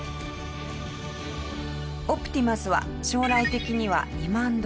オプティマスは将来的には２万ドル